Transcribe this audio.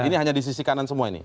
ini hanya di sisi kanan semua ini